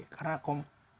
karena ada komplikasi